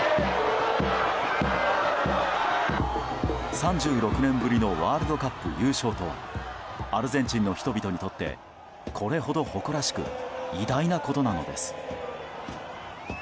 ３６年ぶりのワールドカップ優勝とはアルゼンチンの人々にとってこれほど誇らしく偉大なことなのです。